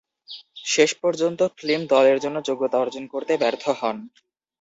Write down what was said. শেষ পর্যন্ত ক্লিম দলের জন্য যোগ্যতা অর্জন করতে ব্যর্থ হন।